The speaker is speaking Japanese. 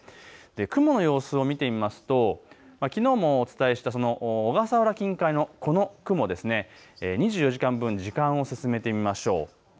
雲の様子を見てみますときのうもお伝えした小笠原近海のこの雲、２４時間分に時間を進めてみましょう。